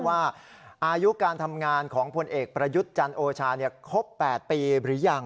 อายุการทำงานของพลเอกประยุทธ์จันทร์โอชาครบ๘ปีหรือยัง